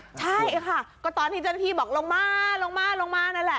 ใช่ค่ะก็ตอนที่เจ้าหน้าที่บอกลงมาลงมาลงมาลงมานั่นแหละ